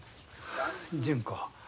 純子。